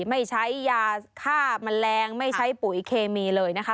ไม่ใช้ยาฆ่าแมลงไม่ใช้ปุ๋ยเคมีเลยนะคะ